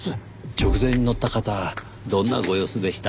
直前に乗った方どんなご様子でした？